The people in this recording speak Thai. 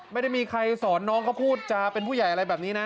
ไม่ได้มีใครสอนน้องเขาพูดจาเป็นผู้ใหญ่อะไรแบบนี้นะ